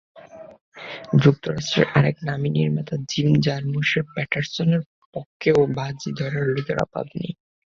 যুক্তরাষ্ট্রের আরেক নামি নির্মাতা জিম জারমুশের প্যাটারসন-এর পক্ষেও বাজি ধরার লোকের অভাব নেই।